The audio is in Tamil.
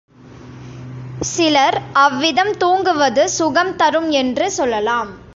சிலர் அவ்விதம் தூங்குவது சுகம் தரும் என்று சொல்லலாம்.